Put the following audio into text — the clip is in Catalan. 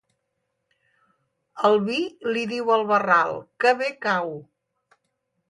El vi li diu al barral: «Que bé cau!».